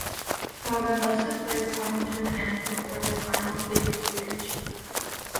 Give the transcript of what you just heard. However, most displays come to an end before this final phase is reached.